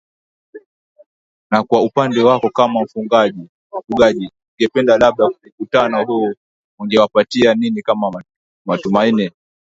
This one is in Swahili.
na kwa upande wako kama mufugaji ungependa labda mkutano huu ungewapatia nini kama matumaini